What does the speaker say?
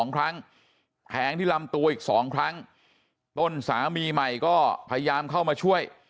๒ครั้งแทงที่ลำตัวอีก๒ครั้งต้นสามีใหม่ก็พยายามเข้ามาช่วย